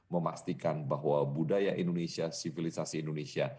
memastikan bahwa budaya indonesia sivilisasi indonesia